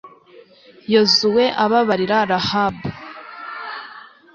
yozuwe ababarira rahabu